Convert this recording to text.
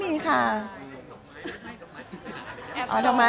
ไม่ได้ดอกไม้ไม่ได้ดอกไม้ปิดสนา